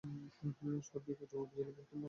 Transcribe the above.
শহরটি কচুয়া উপজেলার বৃহত্তম শহরাঞ্চল।